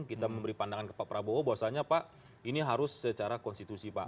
kita memberi pandangan ke pak prabowo bahwasannya pak ini harus secara konstitusi pak